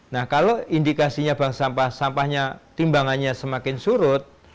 nah kalau indikasinya bank sampah sampahnya timbangannya semakin surut